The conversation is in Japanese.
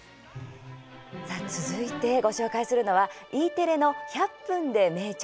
続いて、ご紹介するのはＥテレの「１００分ｄｅ名著」。